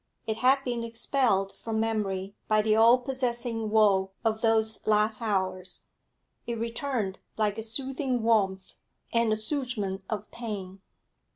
It had been expelled from memory by the all possessing woe of those last hours; it returned like a soothing warmth, an assuagement of pain.